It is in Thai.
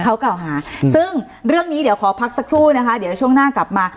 เขากล่าวหาซึ่งเรื่องนี้เดี๋ยวขอพักสักครู่นะคะเดี๋ยวช่วงหน้ากลับมา